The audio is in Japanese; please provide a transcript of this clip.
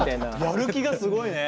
やる気がすごいね。